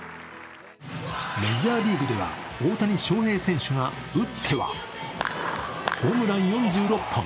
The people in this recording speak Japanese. メジャーリーグでは大谷翔平選手が打ってはホームラン４６本。